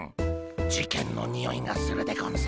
事件のにおいがするでゴンス。